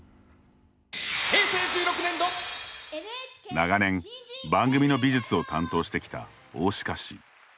長年、番組の美術を担当してきた大鹿氏。